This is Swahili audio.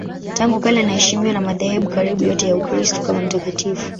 Tangu kale anaheshimiwa na madhehebu karibu yote ya Ukristo kama mtakatifu.